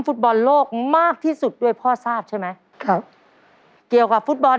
ฟุตบอลโลกมากที่สุดด้วยพ่อทราบใช่ไหมครับเกี่ยวกับฟุตบอล